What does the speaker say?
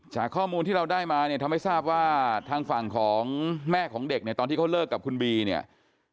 จากข้อมูลที่เราได้มาเนี่ยทำให้ทราบว่าทางฝั่งของแม่ของเด็กเนี่ยตอนที่เขาเลิกกับคุณบีเนี่ย